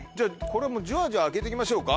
これもうじわじわ開けて行きましょうか。